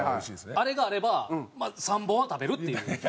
あれがあればまあ３本は食べるっていう。